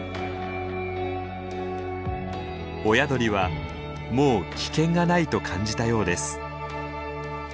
親鳥はもう危険がないと感じたようです。